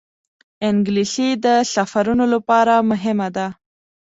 انګلیسي د سفرونو لپاره مهمه ده